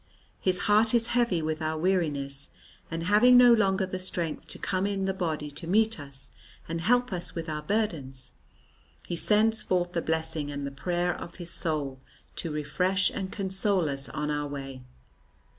His heart is heavy with our weariness, and, having no longer the strength to come in the body to meet us and help us with our burdens, he sends forth the blessing and the prayer of his soul to refresh and console us on our way."